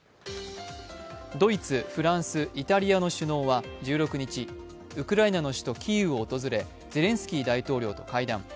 ドイツ、フランス、イタリアの首脳は１６日ウクライナの首都キーウを訪れ、ゼレンスキー大統領と会談。